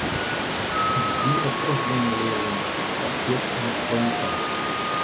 Yn de hiele trochgeande learline, ‘fan pjut oant promovendus’.